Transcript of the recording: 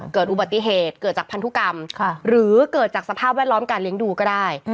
เกิดอุบัติเหตุเกิดจากพันธุกรรมหรือเกิดจากสภาพแวดล้อมการเลี้ยงดูก็ได้